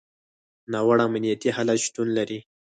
ناوړه امنیتي حالت شتون لري.